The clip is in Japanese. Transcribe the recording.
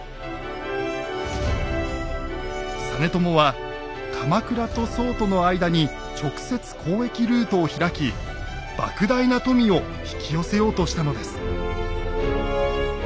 実朝は鎌倉と宋との間に直接交易ルートを開きばく大な富を引き寄せようとしたのです。